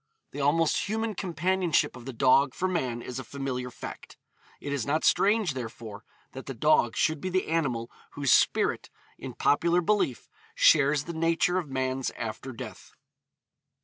The almost human companionship of the dog for man is a familiar fact. It is not strange, therefore, that the dog should be the animal whose spirit, in popular belief, shares the nature of man's after death.